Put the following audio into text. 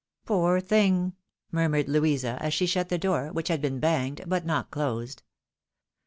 " Poor thing !" murmured Louisa, as she shut the door, which had been banged, but not closed.